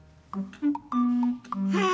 はあ！